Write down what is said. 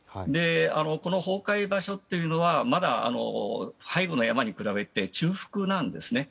この崩壊場所というのはまだ背後の山に比べて中腹なんですね。